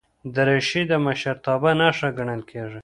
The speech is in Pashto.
دریشي د مشرتابه نښه ګڼل کېږي.